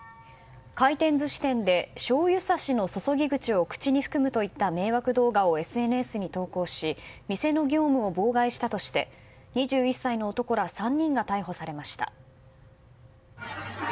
回転寿司店でしょうゆさしの注ぎ口を口に含むといった迷惑動画をＳＮＳに投稿し店の業務を妨害したとして２１歳の男ら３人が逮捕されました。